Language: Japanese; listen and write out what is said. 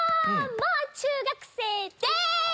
もう中学生です！